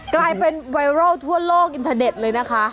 กลายเป็นไวรัลทั่วโลกอินเทอร์เน็ตเลยนะคะ